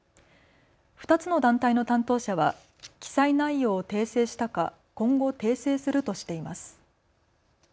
２つの団体の担当者は記載内容を訂正したか今後、訂正するとしています。